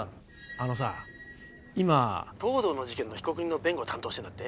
あのさ今藤堂の事件の被告人の弁護担当してるんだって？